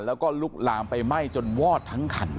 แล้วก็ลุกลามไปไหม้จนวอดทั้งคัน